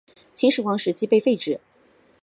秦朝时期被废止。